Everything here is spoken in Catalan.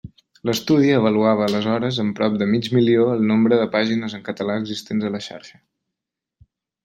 L'estudi avaluava aleshores en prop de mig milió el nombre de pàgines en català existents a la xarxa.